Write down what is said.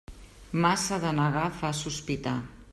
Massa de negar fa sospitar.